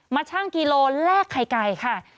มาทั้งกิโลแรกไข่ไก่ค่ะ